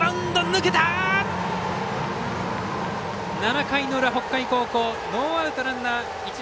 ７回の裏、北海高校ノーアウト、ランナー、一塁。